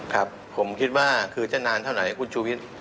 ครับผมคิดว่าคือจะนานเท่าไหนคุณชูวิทย์